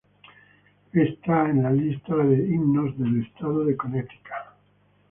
Está en la lista de Himnos de Estado de Connecticut.